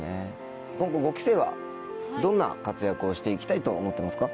今後５期生はどんな活躍をして行きたいと思ってますか？